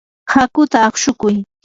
hakuta aqshukuy.